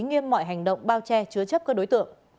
tuy nhiên mọi hành động bao che chứa chấp các đối tượng